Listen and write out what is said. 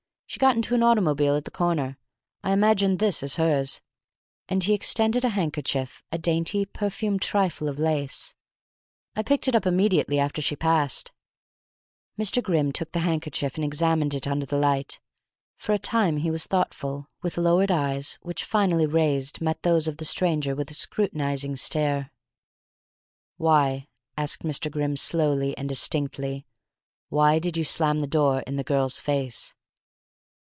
"She got into an automobile at the corner. I imagine this is hers," and he extended a handkerchief, a dainty, perfumed trifle of lace. "I picked it up immediately after she passed." Mr. Grimm took the handkerchief and examined it under the light. For a time he was thoughtful, with lowered eyes, which, finally raised, met those of the stranger with a scrutinizing stare. "Why," asked Mr. Grimm slowly and distinctly, "why did you slam the door in the girl's face?"